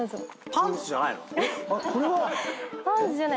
パンツじゃない。